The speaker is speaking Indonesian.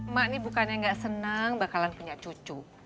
mak ini bukannya nggak senang bakalan punya cucu